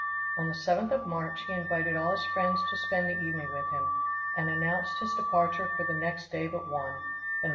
On the 7th of March he invited all his friends to spend the evening with him, and announced his departure for the next day but one, the 9th.